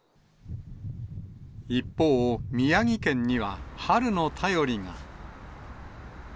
一方、宮城県には春の便りが。